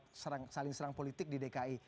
gak dipakai jadi alat saling serang politik di dki